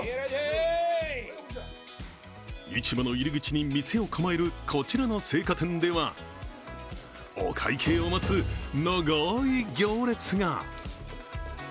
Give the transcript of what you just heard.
市場の入り口に店を構えるこちらの青果店では、お会計を待つ、長い行列が。